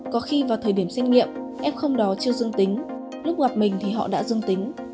có khi vào thời điểm xét nghiệm ép không đó chưa dưng tính lúc gặp mình thì họ đã dưng tính